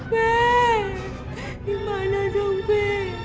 be gimana dong be